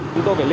chúng tôi phải